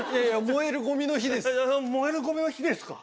燃えるごみの日ですか？